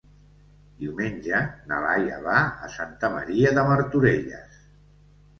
Diumenge na Laia va a Santa Maria de Martorelles.